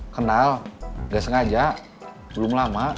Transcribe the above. kenal nggak sengaja belum lama